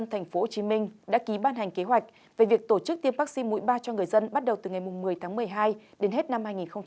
hồ chí minh đã ký ban hành kế hoạch về việc tổ chức tiêm vaccine mũi ba cho người dân bắt đầu từ ngày mùng một mươi tháng một mươi hai đến hết năm hai nghìn hai mươi hai